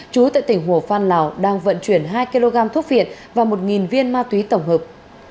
chú tại tỉnh hồ phan lào đang vận chuyển hai kg thuốc việt và một viên ma túy tổng hợp